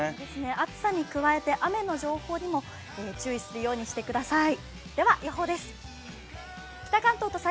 暑さに加えて雨の情報にも注意するようにしてください。